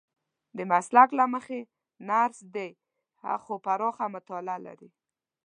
د مسلک له مخې نرس دی خو پراخه مطالعه لري.